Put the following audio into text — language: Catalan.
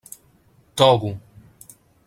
Togo.